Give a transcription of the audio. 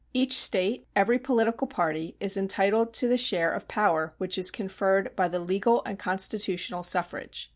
Each State, every political party, is entitled to the share of power which is conferred by the legal and constitutional suffrage.